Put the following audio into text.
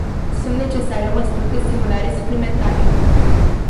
Sunt necesare măsuri de stimulare suplimentare.